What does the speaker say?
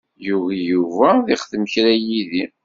Yugi Yuba ad yexdem kra yid-i.